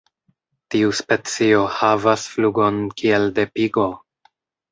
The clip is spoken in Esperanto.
Tiu specio havas flugon kiel de pigo.